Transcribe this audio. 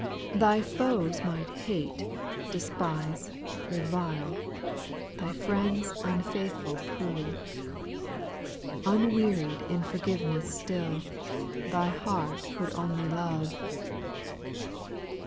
3. Thy foes might hate, despite, revile, Thy friends unfaithful prove ; Unwearied in forgiveness still, Thy heart could only love.